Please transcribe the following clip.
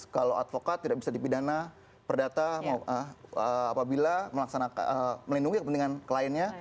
kalau advokat tidak bisa dipidana perdata apabila melindungi kepentingan kliennya